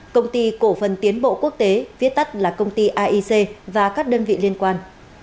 công ty cổ phần tiến bộ quốc tế viết tắt là công ty aic và các đơn vị liên quan